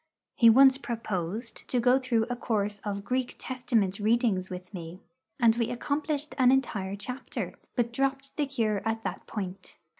He once proposed to go through a course of Greek Testament readings with me, and we accomplished an entire chapter, but dropped the cure at that point.